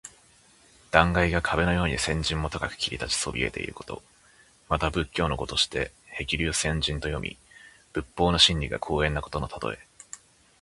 断崖が壁のように千仞も高く切り立ちそびえていること。また仏教の語として「へきりゅうせんじん」と読み、仏法の真理が高遠なことのたとえ。